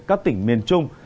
các tỉnh miền trung